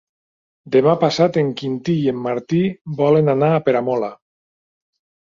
Demà passat en Quintí i en Martí volen anar a Peramola.